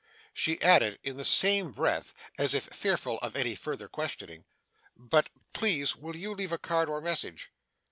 She added in the same breath, as if fearful of any further questioning, 'But please will you leave a card or message?